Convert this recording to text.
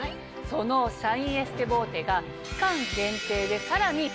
そのシャインエステボーテが。